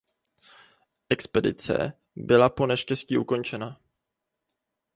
Expedice byla po neštěstí ukončena.